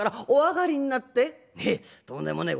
『お上がりになって』。